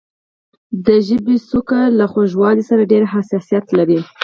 د ژبې څوکه له خوږوالي سره ډېر حساسیت لري.